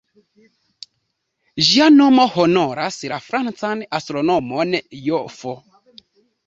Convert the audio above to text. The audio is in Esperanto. Ĝia nomo honoras la francan astronomon "J.-F.